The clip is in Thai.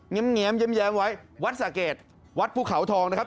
แง้มไว้วัดสะเกดวัดภูเขาทองนะครับ